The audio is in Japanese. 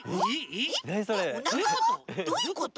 どういうこと？